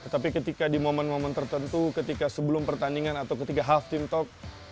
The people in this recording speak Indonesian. tapi ketika di momen momen tertentu ketika sebelum pertandingan atau ketika half tim talk